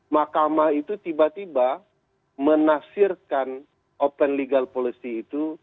mahkamah itu tiba tiba menasirkan open legal policy itu